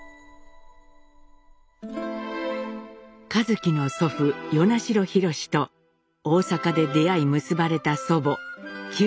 一輝の祖父与那城廣と大阪で出会い結ばれた祖母旧姓